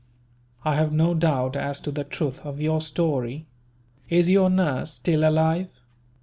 I have no doubt as to the truth of your story. "Is your nurse still alive?"